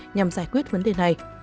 nhằm giải quyết vấn đề này